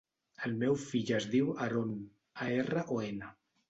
El meu fill es diu Aron: a, erra, o, ena.